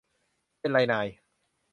เป็นไรนาย